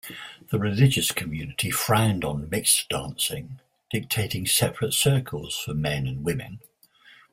The religious community frowned on mixed dancing, dictating separate circles for men and women.